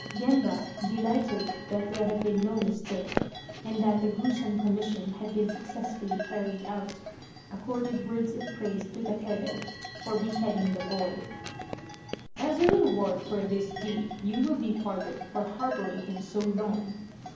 Gemba, delighted that there had been no mistake, and that the gruesome commission had been success fully carried out, accorded words of praise to Takebe for beheading the boy. " As a reward for this deed, you will be pardoned for harbouring him so long